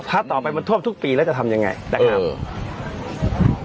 ถ้าต่อไปมันท่วมทุกปีแล้วจะทำยังไงนะครับ